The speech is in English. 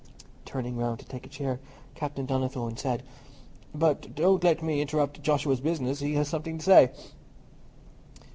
Turning round to take a chair, Captain Donnithorne said, "But don't let me interrupt Joshua's business—he has something to say."